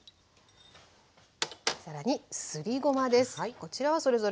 更にすりごまです。